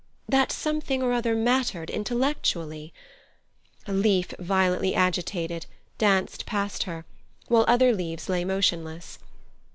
That something or other mattered intellectually? A leaf, violently agitated, danced past her, while other leaves lay motionless.